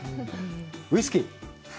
ウイスキー。